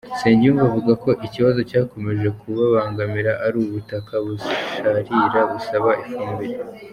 Nsengiyumva avuga ko ikibazo cyakomeje kubabangamira ari ubutaka busharira busaba ifumbire.